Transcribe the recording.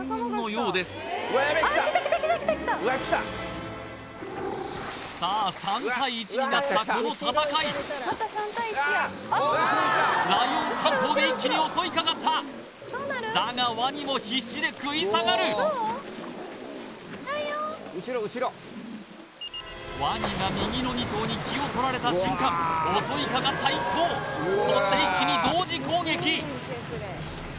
うわっきたさあ３対１になったこの戦いライオン３頭で一気に襲いかかっただがワニも必死で食い下がるワニが右の２頭に気を取られた瞬間襲いかかった１頭そして一気に同時攻撃